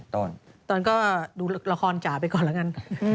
ตอนก็ดูละครจ๋าไปก่อนแล้วกัน